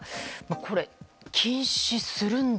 これ、禁止するんだ